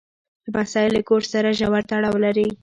لمسی له کور سره ژور تړاو لري.